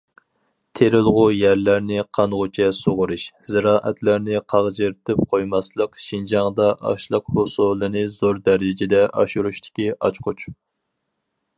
تېرىلغۇ يەرلەرنى قانغۇچە سۇغىرىش، زىرائەتلەرنى قاغجىرىتىپ قويماسلىق شىنجاڭدا ئاشلىق ھوسۇلىنى زور دەرىجىدە ئاشۇرۇشتىكى ئاچقۇچ.